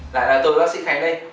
lại là tôi là bác sĩ khánh đây